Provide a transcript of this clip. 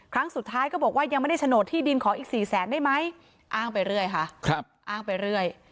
ครั้งสุดท้ายก็บอกว่ายังไม่ได้โฉนดที่ดินขออีก๔แสนได้ไหมอ้างไปเรื่อยค่ะอ้างไปเรื่อย